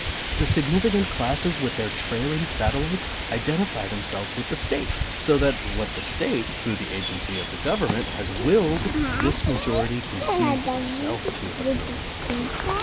The significant classes with their trailing satellites, identify them selves with the State, so that what the State, through the agency of the Government, has willed, this majority conceives itself to have willed.